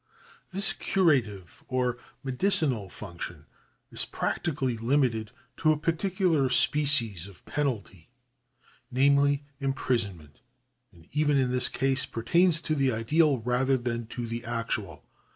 This curative or medicinal function is practically limited to a particular species of penalty, namely, imprison ment, and even in this case pertains to the ideal rather than to the actual.